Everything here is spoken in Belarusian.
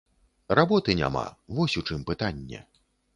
Работы няма, вось у чым пытанне.